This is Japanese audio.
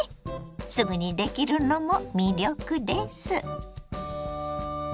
すぐにできるのも魅力です。